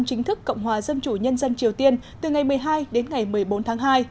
chính thức cộng hòa dân chủ nhân dân triều tiên từ ngày một mươi hai đến ngày một mươi bốn tháng hai